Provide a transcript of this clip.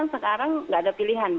sekarang tidak ada pilihan